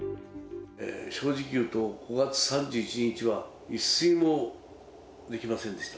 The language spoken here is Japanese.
正直言うと、５月３１日は一睡もできませんでした。